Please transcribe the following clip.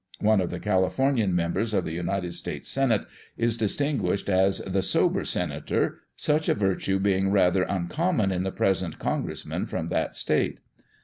One of the Califor nian members of the United States Senate is distinguished as " the sober senator," such a virtue being rather uncommon in the present Congress men from that state.